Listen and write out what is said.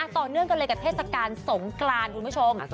ต่อเนื่องกันเลยกับเทศกาลสงกรานคุณผู้ชม